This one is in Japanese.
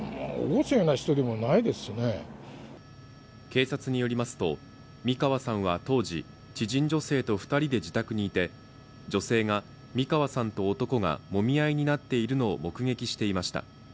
警察によりますと、三川さんは当時、知人女性と２人で自宅にいて女性が三川さんと男がもみ合いになっているのを目撃していました。